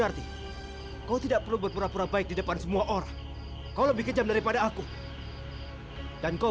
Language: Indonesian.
amilah aku sebagai gantinya